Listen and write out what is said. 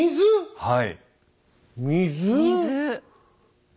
はい。